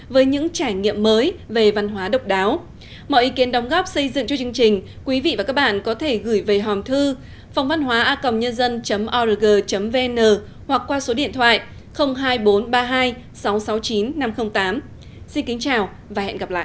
với những trải nghiệm mới về văn hóa độc đáo mọi ý kiến đóng góp xây dựng cho chương trình quý vị và các bạn có thể gửi về hòm thư phòngvănhoaacomn org vn hoặc qua số điện thoại hai nghìn bốn trăm ba mươi hai sáu trăm sáu mươi chín năm trăm linh tám xin kính chào và hẹn gặp lại